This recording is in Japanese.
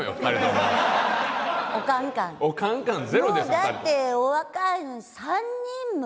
もうだってお若いのに３人も。